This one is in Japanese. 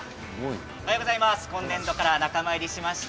今年度から仲間入りしました。